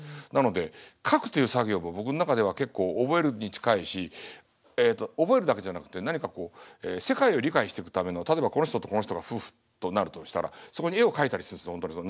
なので書くという作業も僕の中では結構覚えるに近いしえっと覚えるだけじゃなくて何かこう世界を理解してくための例えばこの人とこの人が夫婦となるとしたらそこに絵を描いたりするんです